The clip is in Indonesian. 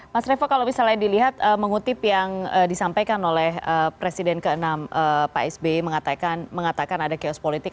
mas revo kalau misalnya dilihat mengutip yang disampaikan oleh presiden ke enam pak sby mengatakan ada chaos politik